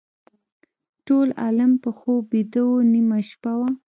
ټول عالم په خوب ویده و نیمه شپه وه.